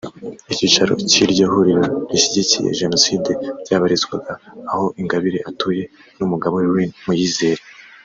Icyicaro cy’iryo huriro rishyigikiye Jenoside ryabarizwaga aho Ingabire atuye n’umugabo we Lin Muyizere